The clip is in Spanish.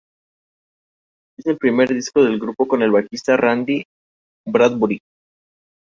Ella tiene constantemente relaciones sexuales con otros hombres.